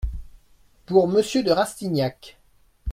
Pour monsieur de Rastignac.